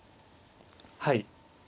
はい。